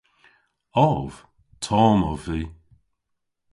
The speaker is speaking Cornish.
Ov. Tomm ov vy.